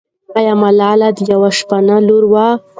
آیا ملالۍ د یوه شپانه لور وه؟